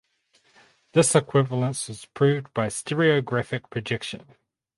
This equivalence is proved by stereographic projection.